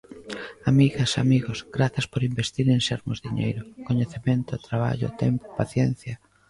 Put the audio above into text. Amigas, amigos, grazas por investir en Sermos diñeiro, coñecemento, traballo, tempo, paciencia.